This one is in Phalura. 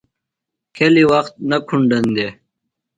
کھیلیۡ وخت نہ کُھنڈن دےۡ۔